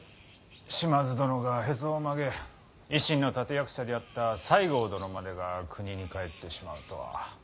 島津殿がへそを曲げ維新の立て役者であった西郷殿までが国に帰ってしまうとは。